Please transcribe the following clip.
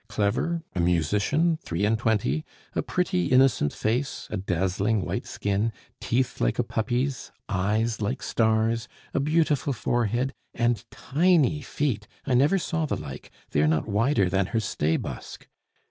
"Clever, a musician, three and twenty, a pretty, innocent face, a dazzling white skin, teeth like a puppy's, eyes like stars, a beautiful forehead and tiny feet, I never saw the like, they are not wider than her stay busk."